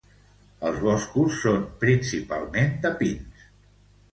Els boscos són principalment de pins.